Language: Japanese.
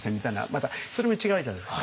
またそれも違うじゃないですか。